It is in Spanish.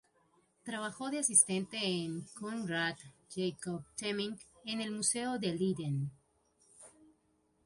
Trabajó de asistente de Coenraad Jacob Temminck en el Museo de Leiden.